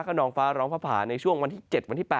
พระขนองฟ้าร้องภรรผาในช่วงวันที่๗๘